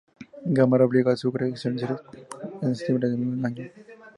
Gamarra obligó a Sucre a exiliarse en Ecuador en septiembre del mismo año.